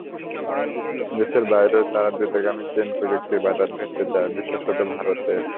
দেশের বাইরেও তারা দ্রুতগামী ট্রেন প্রযুক্তির বাজার ধরতে চায়, বিশেষত ভারতে।